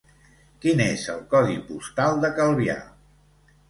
Quin és el codi postal de Calvià?